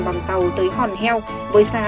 bằng tàu tới hòn heo với giá